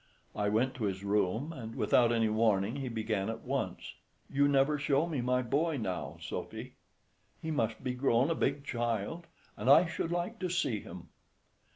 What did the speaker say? I went to his room, and without any warning he began at once, "You never show me my boy now, Sophy; he must be grown a big child, and I should like to see him."